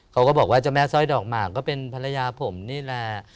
เขาก็บอกว่าเจ้าแม่สร้อยดอกหมากก็เป็นภรรยาผมนี่แหละ